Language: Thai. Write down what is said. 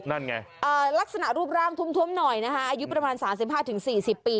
นั่นไงเอ่อลักษณะรูปร่างทุ่มทุ่มหน่อยนะคะอายุประมาณสามสิบห้าถึงสี่สิบปี